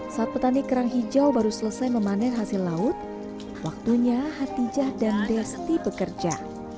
saat petani kerang hijau baru selesai memanen hasil laut waktunya hatijah dan desti bekerja